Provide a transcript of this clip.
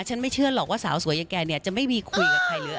ไม่เชื่อหรอกว่าสาวสวยอย่างแกเนี่ยจะไม่มีคุยกับใครเลย